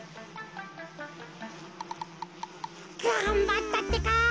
がんばったってか。